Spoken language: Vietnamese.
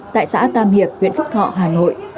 tại xã tam hiệp huyện phúc thọ hà nội